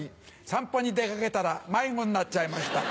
散歩に出掛けたら迷子になっちゃいました。